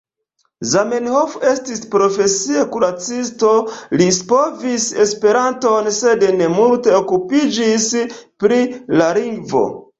Zamenhof estis profesie kuracisto, li scipovis Esperanton sed ne multe okupiĝis pri la lingvo.